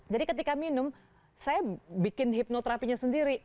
jadi ketika minum saya bikin hipnoterapinya sendiri